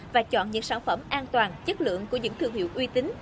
và chọn những sản phẩm an toàn chất lượng của những thương hiệu uy tín